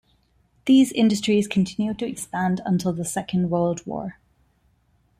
These industries continued to expand until the Second World War.